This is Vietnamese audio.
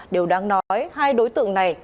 điều đáng nói hai đối tượng này